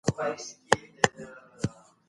څه ډول انلاين کورسونه د شخصي سرعت ملاتړ کوي؟